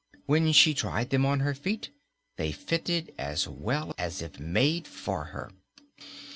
When she tried them on her feet, they fitted as well as if made for her.